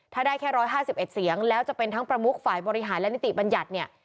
ถ้าได้แค่๑๕๑เสียงแล้วจะเป็นทั้งประมุกฝ่ายบริหารและนิติบัญญัติเนี่ย